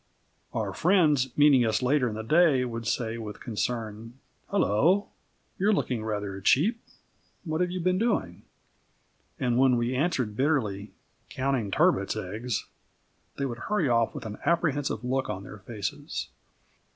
Our friends meeting us later in the day would say with concern: "Hullo! you're looking rather cheap. What have you been doing?"; and when we answered bitterly: "Counting turbots' eggs," they would hurry off with an apprehensive look on their faces.